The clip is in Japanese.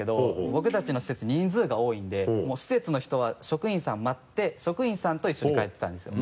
僕たちの施設人数が多いんでもう施設の人は職員さん待って職員さんと一緒に帰ってたんですよ。